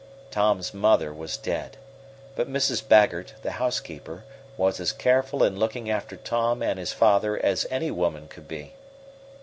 Tom's mother was dead, but Mrs. Baggert, the housekeeper, was as careful in looking after Tom and his father as any woman could be.